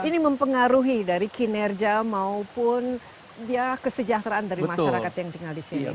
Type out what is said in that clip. ini mempengaruhi dari kinerja maupun kesejahteraan dari masyarakat yang tinggal di sini